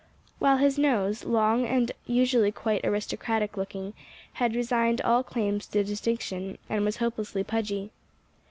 While his nose, long and usually quite aristocratic looking, had resigned all claims to distinction, and was hopelessly pudgy.